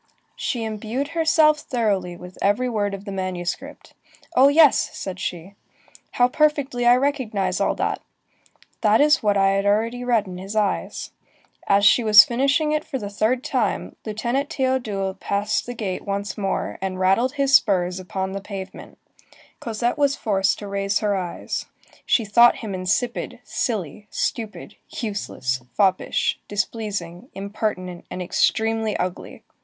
She imbued herself thoroughly with every word of the manuscript: "Oh yes!" said she, "how perfectly I recognize all that! That is what I had already read in his eyes." As she was finishing it for the third time, Lieutenant Théodule passed the gate once more, and rattled his spurs upon the pavement. Cosette was forced to raise her eyes. She thought him insipid, silly, stupid, useless, foppish, displeasing, impertinent, and extremely ugly.